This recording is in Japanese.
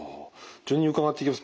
順に伺っていきます。